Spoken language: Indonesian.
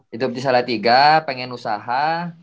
hidup di salatiga pengen usaha